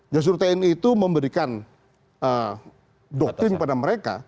justru tni itu memberikan doktrin pada mereka